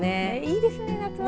いいですね夏祭り。